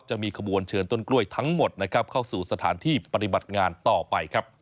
จะมีขบวนเชิญต้นกล้วยทั้งหมดนะครับเข้าสู่สถานที่ปฏิบัติงานต่อไปครับ